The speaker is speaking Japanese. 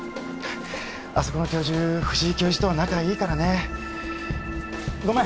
あそこの教授藤井教授とは仲いいからねごめん